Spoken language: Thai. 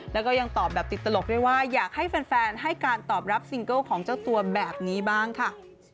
แล้วก็ยังตอบแบบติดตลกด้วยว่าอยากให้แฟนให้การตอบรับซิงเกิลของเจ้าตัวแบบนี้บ้างค่ะ